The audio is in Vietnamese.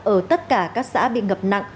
ở tất cả các xã bị ngập nặng